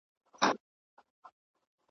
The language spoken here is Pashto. تل به تر لمني هر یوسف زلیخا نه یسي .